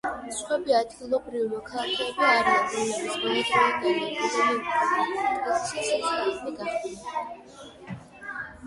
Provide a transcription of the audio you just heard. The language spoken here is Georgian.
სხვები ადგილობრივი მოქალაქეები არიან, რომლების ბოლოდროინდელი ეკონომიკური კრიზისის მსხვერპლნი გახდნენ.